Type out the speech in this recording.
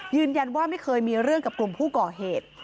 ยืนยันว่าไม่เคยมีเรื่องกับกลุ่มผู้ก่อเหตุ